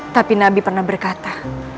tapi nabi pernah berkata